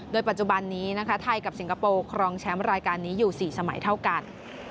ปัจจุบันนี้นะคะไทยกับสิงคโปร์ครองแชมป์รายการนี้อยู่๔สมัยเท่ากัน